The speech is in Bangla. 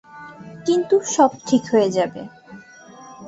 কিন্তু সব ঠিক হয়ে যাবে।